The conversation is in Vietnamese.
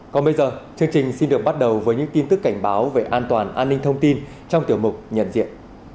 còn bây giờ chương trình xin được bắt đầu với những tin tức cảnh báo về an toàn an ninh thông tin trong tiểu mục nhận diện